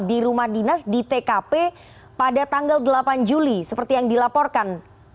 di rumah dinas di tkp pada tanggal delapan juli seperti yang dilaporkan